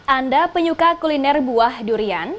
anda penyuka kuliner buah durian